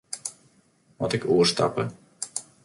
Moat ik ek oerstappe?